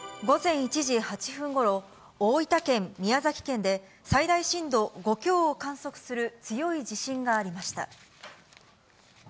午前１時８分ごろ、大分県、宮崎県で、最大震度５強を観測する強い地震がありました。